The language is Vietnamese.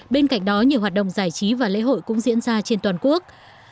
bên cạnh đó nhiều hoạt động giải trí và lễ hội cũng diễn ra trên toàn quốc